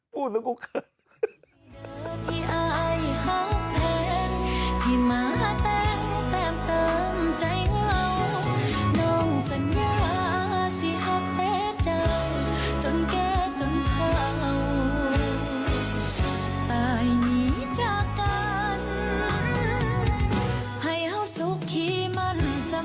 พูดแล้วกูเขิน